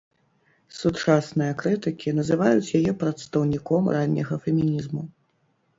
Сучасныя крытыкі называюць яе прадстаўніком ранняга фемінізму.